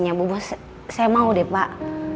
saya mau deh pak